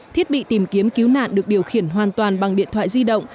thiết bị tìm kiếm cứu nạn được điều khiển hoàn toàn bằng điện thoại di động